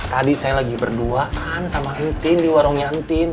tadi saya lagi berduaan sama entin di warungnya entin